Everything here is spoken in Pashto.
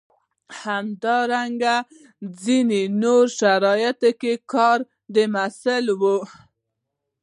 همدارنګه په ځینو نورو شرایطو کې د کار محصول وي.